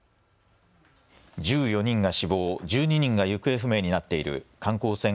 １４人が死亡、１２人が行方不明になっている観光船